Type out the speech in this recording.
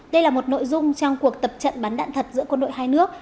đây là một nội dung trong cuộc tập trận bắn đạn thật giữa quân đội hai nước